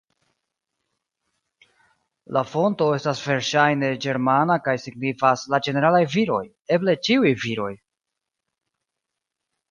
La fonto estas verŝajne ĝermana kaj signifas "la ĝeneralaj viroj", eble "ĉiuj viroj".